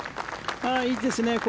いいですね。